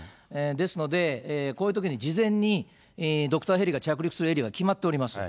ですので、こういうときに事前にドクターヘリが着陸するエリアは決まっております。